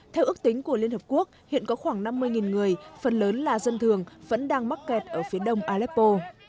theo ước tính của liên hợp quốc hiện có khoảng năm mươi người phần lớn là dân thường vẫn đang mắc kẹt ở phía đông aleppo